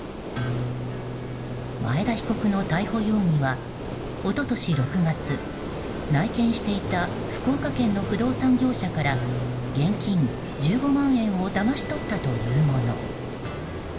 前田被告の逮捕容疑は一昨年６月内見していた福岡県の不動産業者から現金１５万円をだまし取ったというもの。